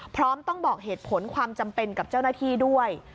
พร้อมต้องบอกเหตุผลความจำเป็นกับเจ้าหน้าที่ด้วย